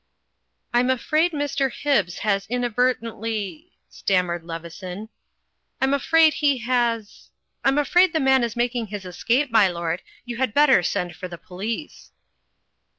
"I'm afraid Mr. Hibbs has inadvertently,*' stam mered Leveson. "I'm afraid he has I'm afraid the man is making his escape, my lord. You had better send for the police."